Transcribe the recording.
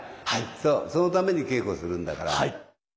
そのために稽古するんだから。